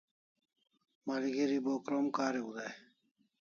Malgeri bo krom kariu dai